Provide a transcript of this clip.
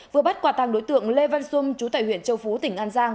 vừa bắt quả tàng đối tượng lê văn xung chú tại huyện châu phú tỉnh an giang